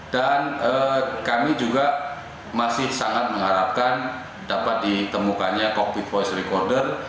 dan kami juga masih sangat mengharapkan dapat ditemukannya cockpit voice recorder